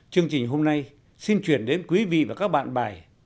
chương trình hôm nay xin chuyển đến quý vị và các bạn bài